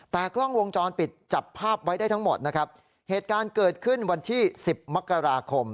แต่กล้องวงจรปิดจับภาพไว้ได้ทั้งหมดนะครับเหตุการณ์เกิดขึ้นวันที่สิบมกราคม